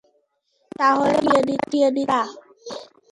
তাহলে, বাড়িটা নিয়ে নিচ্ছি আমরা?